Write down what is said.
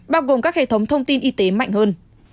bao gồm các hệ thống thông tin y tế mạnh hơn